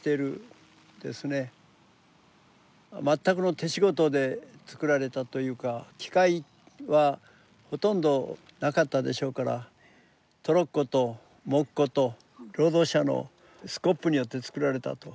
全くの手仕事で造られたというか機械はほとんどなかったでしょうからトロッコとモッコと労働者のスコップによって造られたと。